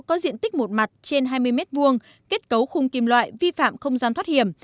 có diện tích một mặt trên hai mươi m hai kết cấu khung kim loại vi phạm không gian thoát hiểm